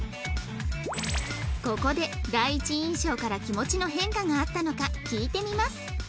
ここで第一印象から気持ちの変化があったのか聞いてみます